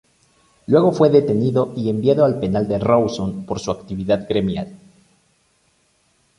Luego fue detenido y enviado al penal de Rawson por su actividad gremial.